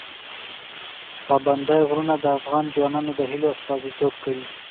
پابندی غرونه د افغان ځوانانو د هیلو استازیتوب کوي.